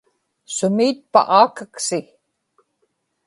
sumi itpa aakaksi